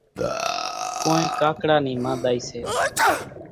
ڪونئين ڪاڪڙا نِي مانۮائِي سي۔